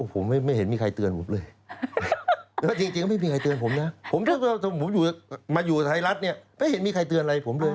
ผมไม่เห็นมีใครเตือนผมเลย